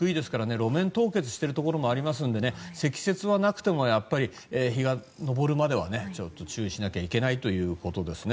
路面凍結しているところもありますので積雪はなくても、日が昇るまでは注意しなければいけないということですね。